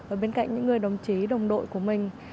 ở bên cạnh những người đồng chí đồng đội của mình